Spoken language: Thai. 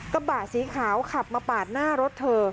กระบะสีขาวขับมาปาดหน้ารถเธอ